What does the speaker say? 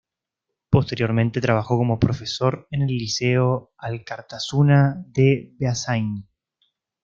Posteriormente trabajó como profesor en el liceo Alkartasuna de Beasáin.